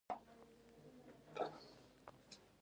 رابرټ د پاتې کېدو امر وکړ.